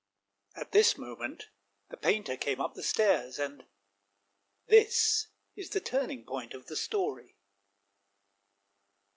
At this moment the painter came up the stairs, and — this is the turning point of the story.